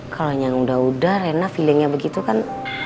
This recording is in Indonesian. kalau yang udah udah rena feelingnya begitu kan